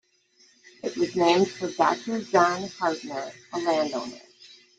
It was named for Doctor John Hardtner, a landowner.